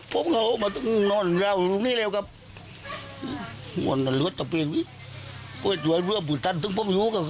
ก็ผมมันโหมดตุ๊กนองทุกที่รอบตุ๊กที่นี่ครับ